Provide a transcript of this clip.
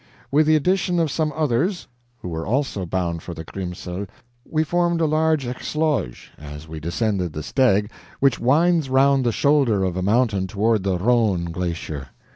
With the addition of some others, who were also bound for the Grimsel, we formed a large XHVLOJ as we descended the STEG which winds round the shoulder of a mountain toward the Rhone Glacier.